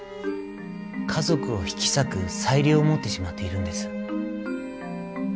家族を引き裂く裁量を持ってしまっているんです。